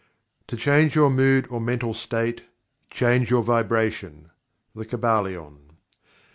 "To change your mood or mental state change your vibration." The Kybalion.